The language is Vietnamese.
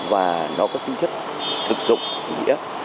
và nó có tính chất thực dụng nghĩa